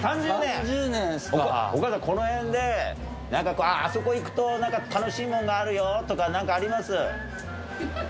この辺であそこ行くと楽しいもんがあるよとか何かあります？